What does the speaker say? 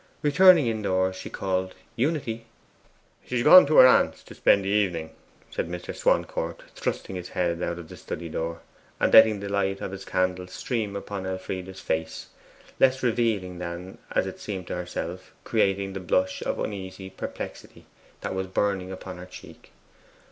Returning indoors she called 'Unity!' 'She is gone to her aunt's, to spend the evening,' said Mr. Swancourt, thrusting his head out of his study door, and letting the light of his candles stream upon Elfride's face less revealing than, as it seemed to herself, creating the blush of uneasy perplexity that was burning upon her cheek.